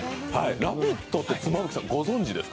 「ラヴィット！」って妻夫木さん、ご存じですか？